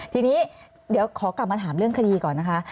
ทีนี้เดี๋ยวขอกลับมาถามเรื่องคดีก่อนนะคะ